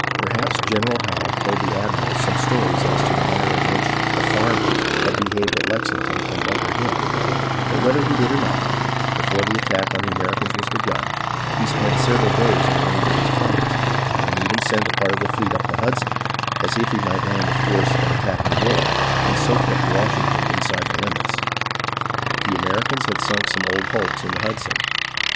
Per haps General Howe told the admiral some stories as to I08 HISTORY OF THE AMERICAN REVOLUTION the manner in which the " farmers " had behaved at Lexington and Bunker Hill, but whether he did or not, before the attack on the Americans was begun, he spent several days in arranging his plans, and even sent a part of the fleet up the Hudson as if he might land a force and attack New York, and so kept Washington inside the limits. The Americans had sunk some old hulks in the Hudson, and